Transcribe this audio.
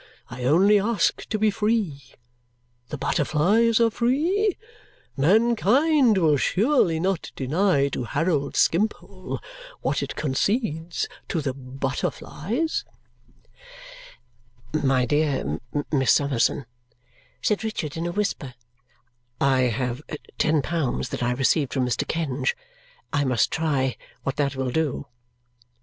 I only ask to be free. The butterflies are free. Mankind will surely not deny to Harold Skimpole what it concedes to the butterflies!" "My dear Miss Summerson," said Richard in a whisper, "I have ten pounds that I received from Mr. Kenge. I must try what that will do."